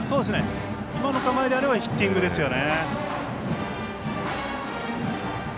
今の構えであればヒッティングですよね。